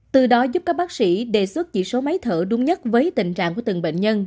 từ đó giúp các bác sĩ đề xuất chỉ số máy thở đúng nhất với tình trạng của từng bệnh nhân